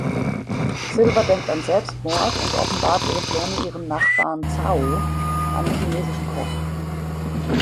Silver denkt an Selbstmord und offenbart ihre Pläne ihrem Nachbarn Zao, einem chinesischen Koch.